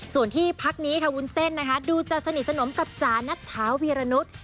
ส่วนที่พักนี้ค่ะวุ้นเส้นนะคะดูจะสนิทสนมกับจ๋านัทธาวีรนุษย์